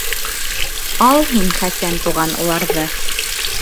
Ал һин, Хәсән туған, уларҙы.